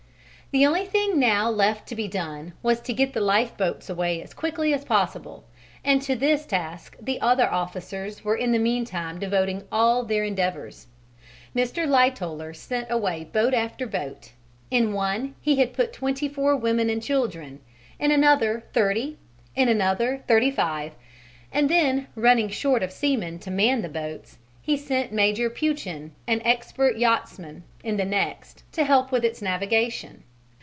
The only thing now left to be done was to get the lifeboats away as quickly as possible, and to this task the other officers were in the meantime devoting all their endeavours. Mr. Lightoller sent away boat after boat: in one he had put twenty four women and children, in another thirty, in another thirty five; and then, running short of seamen to man the boats he sent Major Peuchen, an expert yachtsman, in the next, to help with its navigation.